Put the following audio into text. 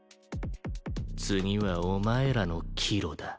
次はお前らの岐路だ。